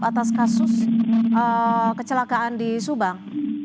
atas kasus kecelakaan di subang